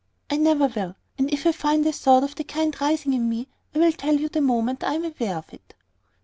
"I never will. And if I find a thought of the kind rising in me, I will tell you the moment I am aware of it."